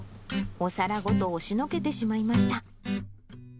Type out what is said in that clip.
お皿ごと押しのけてしまいました。